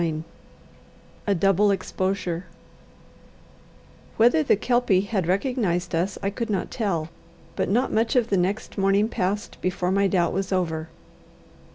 CHAPTER XXIX A Double Exposure Whether the Kelpie had recognized us I could not tell, but not much of the next morning passed before my doubt was over.